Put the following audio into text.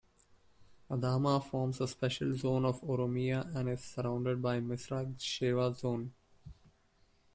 Adama forms a Special Zone of Oromia and is surrounded by Misraq Shewa Zone.